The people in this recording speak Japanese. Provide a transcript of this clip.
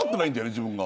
自分が。